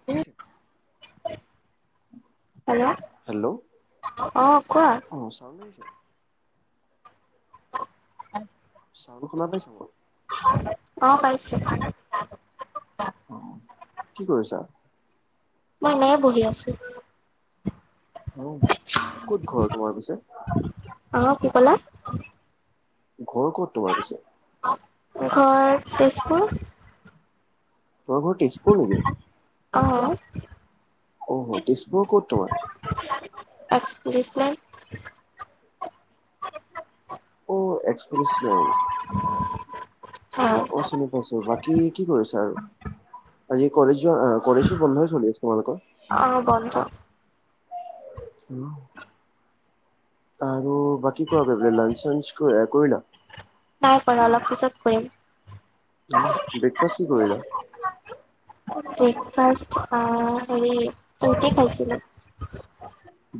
[unintelligible] Hello hello অঁ কোৱা? অ চাউণ্ড আহিছে [unintelligible] ছাউণ্ড শুনা পাইছা মোৰ? অ পাইছোঁ। অ কি কৰিছা? মই এনেয়ে বহি আছোঁ। অও, ক'ত ঘৰ তোমাৰ পিছে? অ কি কলা? ঘৰ ক'ত তোমাৰ পিছত? ঘৰ তেজপুৰ। তোমাৰ ঘৰ তেজপুৰ নেকি? অ। অহ তেজপুৰৰ ক'ত তোমাৰ? এক্স প্ৰেছ লাই অ এক্সপ্ৰেছ নাই। হ অ চিনি পাইছো, বাকী কি কৰিছা আৰু? আজি কলেজোৱা কলেজো বন্ধই চলি আছে তোমালোকৰ? অ বন্ধ। আৰু বাকী কোৱা লা লা লাঞ্চ - চাঞ্চ ক কৰিলা? নাই কৰা অলপ পিছত কৰিম। অ ব্ৰেকফাষ্ট কি কৰিলা? ব্ৰেকফাষ্ট অ হেৰি ৰুটি খাইছিলো।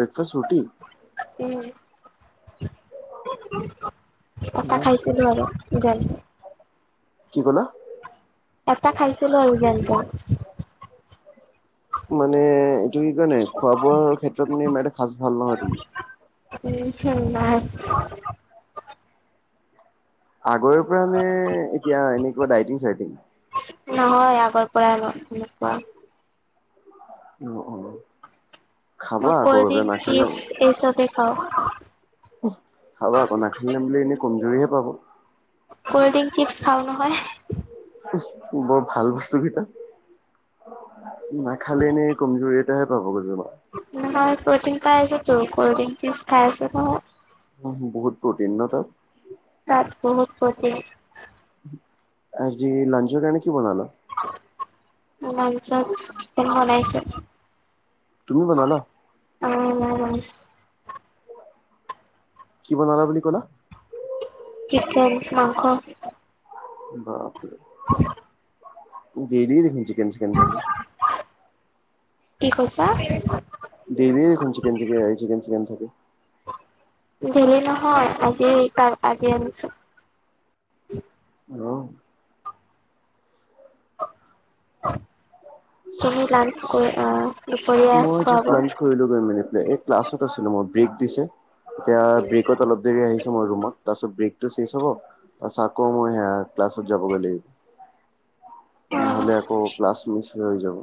ব্ৰেকফাষ্ট ৰুটি? উম কটা খাইছিলো আৰু যাম যে। কি ক'লা? এটা খাইছিলো আৰু যেনতেন। মানে এইটো কি কয় নাই খোৱা - বোৱাৰ ক্ষেত্ৰত মানে ইমান এটা সাচ ভাল নহয় তোমাৰ। উম [unintelligible] আগৰৰ পৰানে এতিয়া এনেকুৱা ডাইটিং- চাইটিং? নহয় আগৰ পৰা ন তেনেকুৱা। অ অ। খাবা মই আকৌ গৈ কলডিং, পেলাই নাখালে চিপছ এই চবেই খাওঁ। উহ, খাব আকৌ নাখালিলে বুলি এনেই কমজৰিহে পাব। কল্ড ড্ৰিংক, চিপছ খাও নহয়। বৰ ভাল বস্তু কেইটা নাখালে এনেই কমজৰি। তেতিয়াহে পাব গৈ যাব। নহয় প্ৰটিন পাই আছে তো কল্ড ড্ৰিংক জোজ খাই আছে নহয়। উম বহুত প্ৰটিন ন তাত। তাত বহুত প্ৰটিন। আজি লাঞ্চৰ কাৰণে কি বনালা? মাঞ্চ চিকেন বনাইছোঁ। তুমি বনালা? অ মই বনিছো। কি বনালা বুলি ক'লা? চিকেন মাংস। বাপৰে! হয় [inaudible] দেলি দেখোন চিকেন - চিকেন থাকে। কি কৈছা? দেইলিয়ে দেখোন চিকেন - চিকেন চিকেন- চিকেন থাকে। দেইলি নহয়। আজি কা আজি আনিছোঁ। অ। তুমি লাঞ্চ কৰি অ। দুপৰীয়া মই খুৱাব জাষ্ট লাঞ্চ কৰিলো গৈ মেলি পেলাই এই ক্লাছত আছিলো মই ব্ৰেক দিছে এতিয়া ব্ৰেকত অলপ দেৰি আহিছোঁ। তোমাৰ ৰুমত তাৰপিছত ব্ৰেকটো চেঞ্জ হ'ব। তাৰ পিছত আকৌ মই ৰুমত যাবগে লাগিব। নহ'লে আকৌ ক্লাছ মিছ হৈয়ে যাব।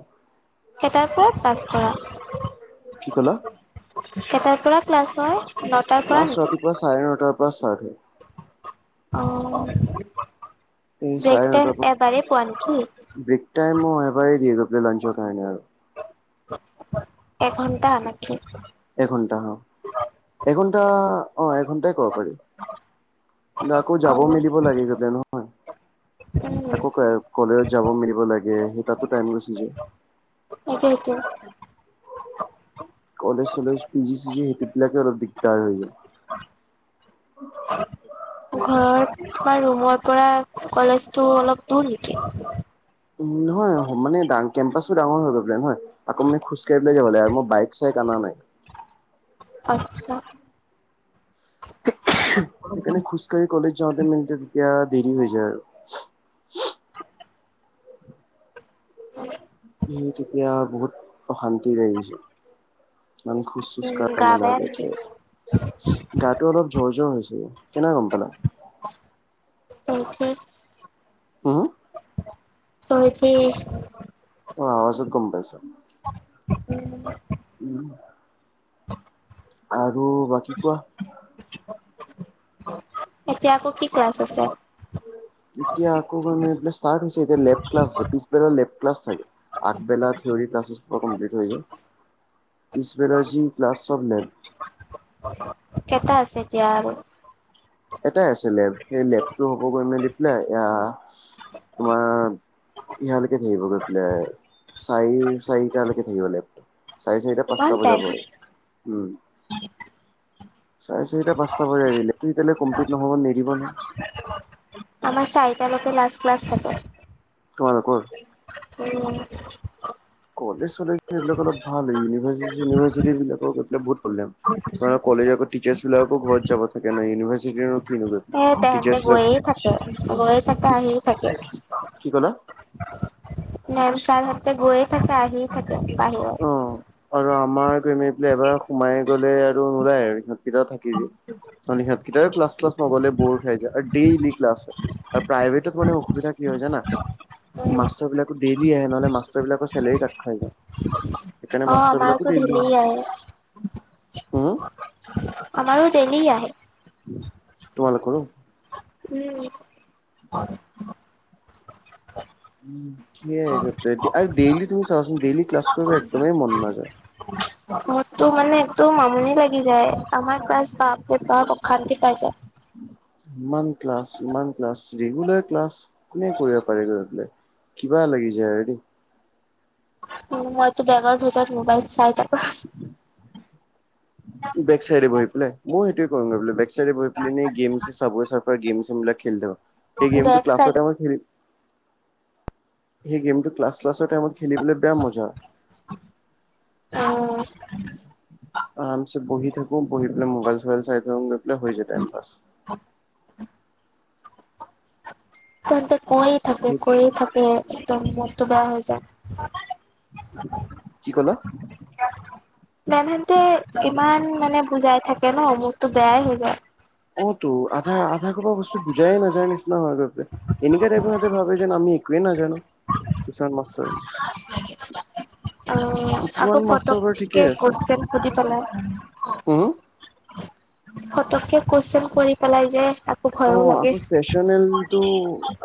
কেটাৰ পৰা ক্লাচ কৰা? কি ক'লা? কেটাৰ পৰা ক্লাছ হয়? নটাৰ পৰা ক্লাছ নেকি ৰাতিপুৱা চাৰে ন'টাৰ পৰা ষ্টাৰ্ট হয়। অ, এই চাৰে ব্ৰেক তে নটাৰ পৰা এবাৰেই পোৱা নেকি? ব্ৰেক টাইম অ, এবাৰেই দিয়ে গৈ পেলে লাঞ্চৰ কাৰণে আৰু। একঘণ্টা আ নাখে? এঘন্টা হ এঘন্টা অ, এঘণ্টাই ক'ব পাৰি ন' আকৌ অ যাব উম মেলিব লাগে গৈ পেলে নহ হয় আকৌ কলেজত যাব মেলিব লাগে সেই তাতো টাইম গুচি যায়। এইটো হেইটো। কলেজ- চলেজ পি জি চিজি সেই এইবলাকে অলপ দিগদাৰ হৈ যায়। ঘৰত থকা ৰুমৰ পৰা কলেজটো অলপ দূৰ নেকি? উম, নহয় মানে দাং কেম্পাচটো ডাঙৰ হৈ গৈ পেলাই নহয়। আকৌ মানে খোজ কাঢ়ি পেলাই যাব লাগে আৰু মই বাইক চাইক আনা নাই। আচ্ছা। [unintelligible] সেইকাৰণে খোজকাঢ়ি কলেজ যাওঁতে মেনিতে তেতিয়া দেৰি হৈ যায় আৰু। উম, উম, তেতিয়া বহুত অশান্তি লাগি গৈছে মানে খোজ চোজ উম কাঢ়া গা বেয়া নেকি? [unintelligible] গাটো অলপ জ্বৰ-জ্বৰ হৈছে কেনে গ'ম পালা? ছেম থি [unintelligible] চৰ্থি অ, আৱাজত গম পাইছাঁ? উম উম, আৰু বাকী কোৱা? এতিয়া আকৌ কি ক্লাছ আছে? এতিয়া আকৌ মানে এইফালে ষ্টাৰ্ট হৈছে এতিয়া লেব ক্লাছ আছে পিছবেলা লেব ক্লাছ থাকে। আগবেলা থিঅৰি ক্লাচেছ পুৰা কমপ্লিট হৈ যায় পিছবেলা যি ক্লাছ চব লেব। কেটা আছে এতিয়া আৰু? এটাই আছে লেব সেই লেবটো হ'ব গৈ মেলি পেলাই এয়া তোমাৰ ইয়ালৈকে থাকিব গৈ পেলাই চাৰি চাৰিটালেকে থাকিব লেব চাৰে চাৰিটা ইমান পাঁচটা টাইম বজাব উম। চাৰে চাৰিটা পাঁচটা বজাই দিলে কি এটিয়ালে কমপ্লিট নহ'ব নিদিব নহয়। [unintelligible] আমাৰ চাৰিটালৈকে লাষ্ট ক্লাছ থাকে। তোমালোকৰ? উম, কলেজ -চলেজ সেইবিলাক অলপ ভাল হয় ইউনিভাৰ্চিটি -চিনিউভাৰ্চিটি বিলাকত গৈ পেলাই বহুত প্ৰব্লেম। ধৰা কলেজ আকৌ টিচাৰ্ছ বিলাকো ঘৰত যাবা থাকে না ইউনিভাৰ্চিটিনো কিনো কৰিব। এ তেহেন্তে গৈয়ে থাকে- গৈয়ে থাকে কি আহি থাকে। কি ক'লা? মেম, ছাৰ হতে গৈয়ে থাকে আহি থাকে অ বাহিৰত। আৰু আমাৰ [unintelligible] এবাৰ সোমাই গ'লে আৰু নোলায় আৰু সিহঁতকেইটাও থাকি যে। [unintelligible] সিহঁতকেইটাৰ ক্লাছ- চিলাচ নগলে বৰ খাই যায় যাই আৰু ডেইলি ক্লাছ হয়। আৰু প্ৰাইভেটত মানে অসুবিধা কি হয় জানা? উম মাষ্টৰবিলাকো ডেইলি আহে নহ'লে মাষ্টৰবিলাকৰ চেলেৰি কাট খাই যায়। সেইকাৰণে অ, মাষ্টৰ বিলাকো আমাৰোতো ডেইলি ধেইলি আহে। উম আমাৰো ডেইলি আহে। তোমালোকৰো। উম হয়, উ কি এক আৰু ডেইলি তুমি চাওচোন ডেইলি ক্লাছ কৰিবলে একদমেই মন নাযায়। মতটো মানে একদম আমনি লাগি যায় আমাৰ ক্লাছ বাপৰে বাপ অশান্তি পাই যায়। ইমান ক্লাছ ইমান ক্লাছ ৰেগুলাৰ ক্লাছ কোনে কৰিব পাৰিব ইমান গাল, কিবা লাগি যায় আৰু উ মইতো বেগৰ ভিতৰত মোবাইল চাই থাকো। বেক চাইডে বহি পেলাই মই সেইটোৱে কৰো বেক চাইডে বহি পেলিনে গেম চ চাব চাব, গেম চেমবিলাক খেলি থাকো সেই গেমটো বেগ চাই ক্লাছৰ টাইমত খেলি, সেই গেমটো ক্লাছৰ ক্লাছৰ টাইম খেলিবলৈ বেয়া মজা। অ আৰামছে বহি থাকো বহি পেলাই মোবাইল চোবাইল চাই থাকো গৈ পেলাই হৈ যায় টাইম পাছ। [unintelligible] তেন্তে কৈয়ে থাকে কৈয়ে থাকে একদম মনটো বেয়া হৈ যায়। কি ক'লা। মেম হেতে ইমান মানে বুজাই থাকে ন মূখটো বেয়াই হৈ যায়। অ তো আধা আধা খুপা বস্তু বুজাই নাজায় নিচিনাই লাগে এনেকা টাইপ হেতি ভাবে যেন আমি একোৱে নাজানো কিছুমান মাষ্টৰ, অ আকৌ কিছুমান মাষ্টৰ বাৰু ঠিকে পতকে আছে। কৈচন সুধি, পেলাই। হুম ফতকে কুৱেশন কৰি পেলাই যে, অ ভয়ো লাগে আকৌ চেচনেলটো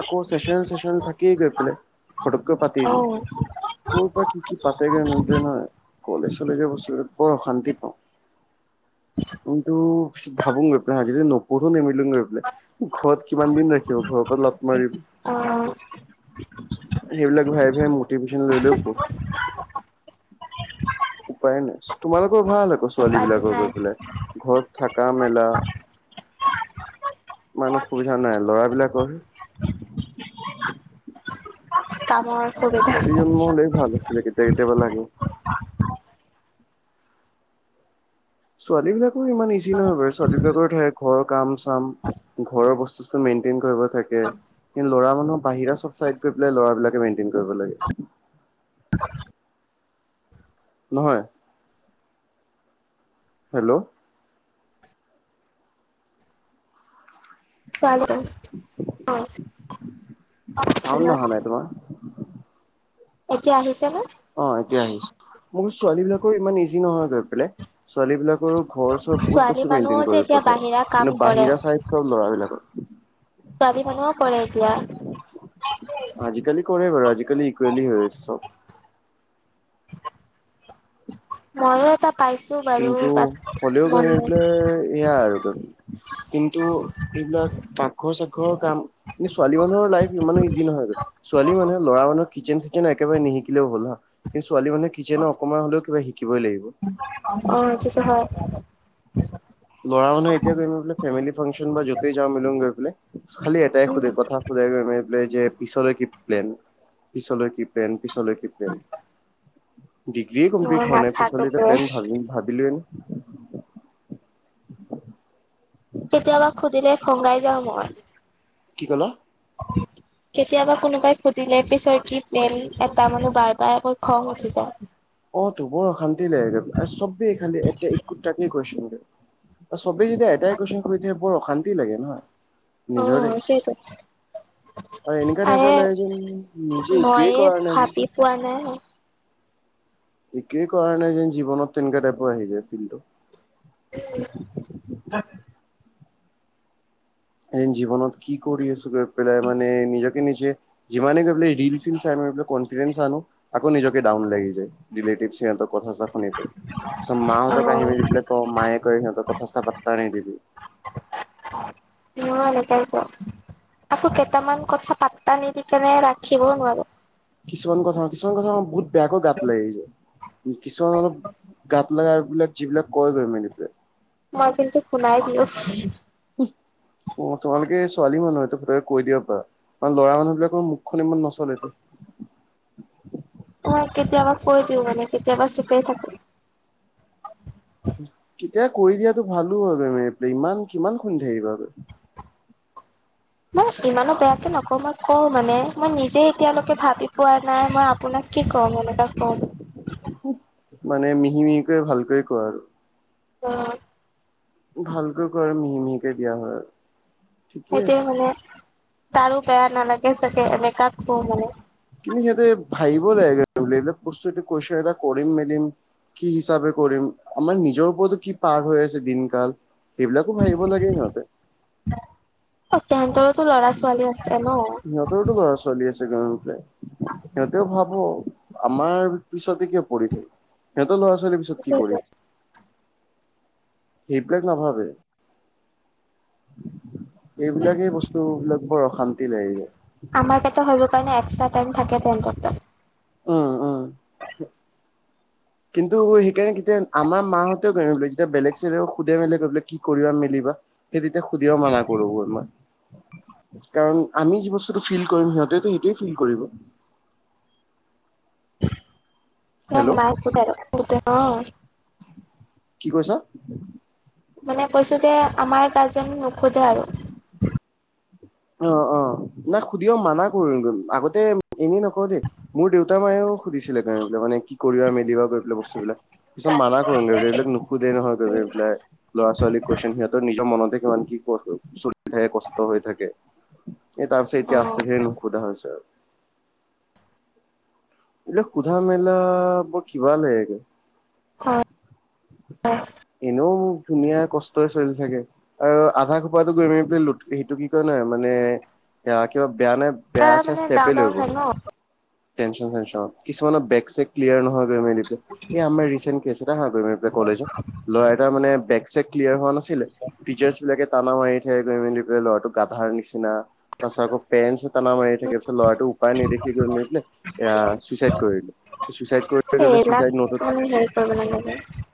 আকৌ চেচনেল চেচনেল থাকেই গৈ পেলাই। ফটকে অ পাতিল। ক'ৰ পৰা কি কি পাতেগৈ নহয় কলেজ চলেজৰ বস্তু বৰ অশান্তি পাওঁ। [unintelligible] কিন্ত ভাবুগ পাকি যে নোকখৰটো নেমেই লুঙে, ঘৰত কিমান দিন ৰাখিব ঘৰৰ পৰা লাঠ মাৰিব, অ সেইবিলাক ভয়ে ভাই মটিভেশচন লৈ লৈও পঢ়ো। উপায় নাই তোমালোকৰ ভাল আকৌ ছোৱালী উপায়টো বিলাকৰ নাই গৈ পেলাই ঘৰত থকা মেলা। ইমান অসুবিধা নাই লৰাবিলাকৰহে। কামৰ সুবিধা ছোৱালী জন্ম হলেই ভাল আছিলে কেতিয়া কেতিয়াবা লাগে। ছোৱালী বিলাকো ইমান ইজি নহয় বাৰু ছোৱালী বিলাকৰ থাকে ঘৰৰ কাম চাম ঘৰৰ বস্তু চষ্টো মেইনটেইন কৰিব, থাকে কিন্তু ল'ৰা মানুহৰ বাহিৰা চব চাইদ গৈ পেলাই লৰাবিলাকে মেইটেইন কৰিব লাগে। [unintelligible] নহয়। হেল্ল', স্বাগতম অ হেল্ল, চাউণ্ড অহা নাই তোমাৰ এতিয়া আহিছে নে। অ এতিয়া আহিছে মোৰ ছোৱালী বিলাকৰ ইমান ইজি নহয় গৈ পেলাই। ছোৱালী বিলাকৰো ঘৰ চৰ বহুত ছোৱালী বস্তু মানুহো মেইনটেইন যে কৰি এতিয়া পঠায় বাহিৰা কাম কিন্তু কৰে। বাহিৰা চাইদ। চব লৰা বিলাকৰ। ছোৱালী মানুহও কৰে এতিয়া। আজিকালি কৰে বাৰু আজিকালি ইকুৱেলি হৈ আছে চব। [inaudible] ময়ো এটা পাইছো, বাৰু কিন্তু বাট হলেও গৈ মন নাই পেলাই। এয়া আৰু কিন্তু এইবিলাক পাকঘৰ চাকঘৰৰ কাম ছোৱালী মানুহৰ লাইফ ইমানো ইজি নহয় ছোৱালী মানুহে ল'ৰা মানুহৰ। কিচেন চিচেন একেবাৰে নিশিকিলেও হল হা কিন্তু ছোৱালী মানুহে কিচেনৰ অকমান হলেও কিবা শিকিবই লাগিব। অ, সেইটোটো হয়। ল'ৰা মানুহ এতিয়া গৈ ফেমিলি ফাংচন য'তে যাও মিল গৈ পেলাই। খালি এটাই উম সোধে কথা সুধে যে পিছলৈ কি প্লেন-পিছলৈ কি প্লেন পিছলৈ কি প্লেন? ডিগ্ৰীয়ে কমপ্লিট মোৰ হোৱাই নাই মাথাটো পিছলৈ বে প্লেন ভাবি-ভাবিলেই নে [inaudible] কেতিয়াবা সুধিলে খঙাই যাও মই। কি কলা? কেতিয়াবা কোনোবাই সুধিলে পিছৰ কি প্লেন এটা মানু্হ বাৰ বাৰ কলে মোৰ খং উঠি যায়। অ, তো বৰ অশান্তি লাগে গৈ পেলাই আৰু চবেই খালি এতিয়া একোটাকে কুৱেচণ শুধে। চবেই যেতিয়া এটাই কুৱেশন শুধি থাকে বৰ অশান্তি লাগে ন। অ, সেইটো অ, এনেকা আৰে টাইপৰ লাগে যেন নিজে একোৱেই মইয়ে কৰা নাই। যেন ভাবি পোৱা নাই। একোৱেই কৰা নাই যেন জীৱনত তেনেকা টাইপৰ আহি যায় ফিলটো। উম, [unintelligible] এদিন জীৱনত কি কৰি আছো গৈ পেলাই মানে নিজকে-নিজে। যিমানে গৈ পেলাই ৰীল ছিল চাই পেলাই কনফিডেন্স আনো। আকৌ নিজকে ডাউন লাগি যায়, ৰিলেটিভ সিহঁতৰ কথা চথা শুনি পেলাই। তাৰছত অ মাহঁতক আহিবি য পোলে কও মায়ে কয় সিহঁতক কথা চ পাত্তা নিদিবি। [inaudible] নহয় এনেকৈ ক। আকৌ কেইটামান কথা পাত্তা নিদিকেনে ৰাখিবও নোৱাৰো। কিছুমান কথা-কিছুমান কথা বহুত বেয়াকৈ গাত লাগি যায়। কিছুমান অলপ গাত লগা এইবিলাক যিবিলাক কয় মেমে মই কিন্তু শুনাই দিও। অ, তোমালোকে ছোৱালী মানুহটো পতকে কৈ দিবা পাৰা। আৰু ল'ৰা মানুহ বিলাকৰ মুখখন ইমান নচলেটো। মই কেতিয়াবা কৈ দিও মানে কেতিয়াবা চুপে থাকো। কেতিয়া কৈ দিয়াটো ভালো হয় মেমে ইমান কিমান শুনি থাকিবা। মই ইমানো বেয়াকে নকও মই কও মানে, মই নিজে এতিয়ালৈকে ভাবি পোৱা নাই মই আপোনাক কি কম এনেকুৱা কও। মানে মিহি-মিহিকৈ ভালকৈ কয় আৰু। অ', ভালকৈ কয় মিহি-মিহিকে দিয়া হয়। ঠিকে সেইতিয়া আছে। মানে তাৰো বেয়া নালাগে চাগে, এনেকা কও মানে। কিন্তু সিহঁতে ভাবিব লাগু কনটা কৰিম মেলিম। কি হিচাপে কৰিম, আমাৰ নিজৰ ওৰতৰতো কি পাৰ হৈ আছে দিনকাল। সেইবিলাকো ভঙিব লাগে সিহঁতে। অ, তেহেতৰতো ল'ৰা-ছোৱালী আছে ন। সিহঁতৰ লৰা ছোৱালী ছোৱালী আছে [unintelligible] গ সিহঁতেও ভাবো আমাৰ পিছতে কিয় পৰি থাকে। সিহঁত ল'ৰা-ছোৱালীৰ পিছত কি সেইটোৱেটো কৰিম? সেইবিলাক নাভাবে? এইবিলাকেই বস্তুবিলাক বৰ অশান্তি লাগি যায়। আমাৰ কেইটা হব কাৰণে এক্সট্ৰা টাইম থাকে তেহেন্তৰ তাত। উম-উম। কিন্তু সেইকাৰণে কেতিয়া আমাৰ মাহতেও [unintelligible] গৈলে যেতিয়া বেলেগ চেলে সোধে মেলে গৈলে কি কৰিবা মেলিবা। সেই তেতিয়া সুধিব মানা কৰো গল মই কাৰণ আমি যি বস্তুটো ফিল কৰিম, সিহঁতেতো সেইটোৱে ফিল কৰিব। হেল্ল' [unintelligible] কি কৈছ? মানে কৈছো যে আমাৰ গাৰ্জেন নোখোধে আৰু। অ', অ', নাই সুধিও মানা কৰে আগতে এনেই নকৰ দেই। মোৰ দেউতা মায়েও সুধিছিলে [unintelligible] মানে কি কৰিবা মেলিবা কৰি পেলাই বস্তুবিলাক। পিছত মানা কৰিগল এইবিলাক নুসুধে নহয় গৈ এইবিলাক। ল'ৰা ছোৱালীক কোএচন, সিহঁতৰ নিজৰ মনতে কিমান কি [unintelligible] চলি থাকে কষ্ট হৈ থাকে, এই তাৰপিছত অ এতিয়া আস্তে [unintelligible] নুশুধা হৈছে আৰু। এইবিলাক সোধা মেলা বৰ কিবা লাগেগে। [unintelligible] এনেও মোক ধুনীয়া কষ্টই চলি থাকে। আৰু আধা খোপাটো গৈ মেলি পেলি লো সেইটো কি কয় নহয় মানে কিবা বেয়া নে বেয়া হয় চেয়া মানে ডাউন ষ্টেপে লৈ ডাউন লাগে বহে। ন টেনচন হৈ আছে অ', কিছুমানৰ বেক চেক ক্লীয়েৰ নহয় বে [unintelligible] এই আমাৰ ৰিচেন কেচ এটা [unintelligible] মানে কলেজত, ল'ৰা এটাৰ মানে বেক চেক ক্লীয়েৰ হোৱা নাছিলে, টিচাৰ্ছ বিলাকে টানা মাৰি থৈ গৈ মেলি কৰি বুলে ল'ৰাটোক গাধাৰ নিচিনা তাৰপিছত আকৌ পেৰেণ্টছে টানা মাৰি থাকে, তাৰপিছত ল'ৰাটো উপায় নেদেখি কৰি মেলি পিলে আ চুইচাইড কৰি দিলে। চুইচাইড কৰি [unintelligible] সেইবিলাক চুইচাইড নোটত মানে হেৰি কৰিব লাগে যে।